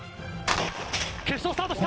決勝スタートした。